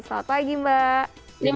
selamat pagi mbak